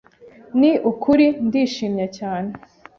Ni ukuri ndishimye cyane.”